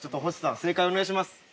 星さん、正解お願いします。